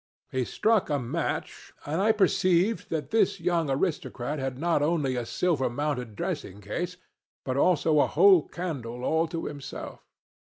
He struck a match, and I perceived that this young aristocrat had not only a silver mounted dressing case but also a whole candle all to himself.